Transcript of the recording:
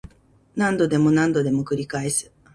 何度でも何度でも繰り返す